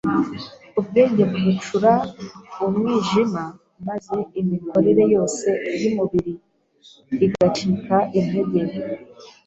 ubwenge bugacura umwijima, maze imikorere yose y’umubiri igacika intege,